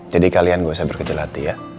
jadi kalian gak usah berkejelati ya